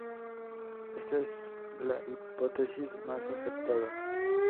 Esta es la hipótesis más aceptada.